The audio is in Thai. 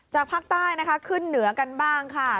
ภาคใต้นะคะขึ้นเหนือกันบ้างค่ะ